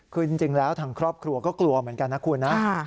คือจริงแล้วทางครอบครัวก็กลัวเหมือนกันนะคุณนะ